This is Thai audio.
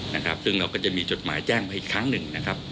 นะครับซึ่งเราก็จะมีจดหมายแจ้งมาอีกครั้งหนึ่งนะครับ